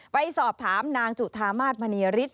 ไปสอบถามนางจุธามาสมณีฤทธ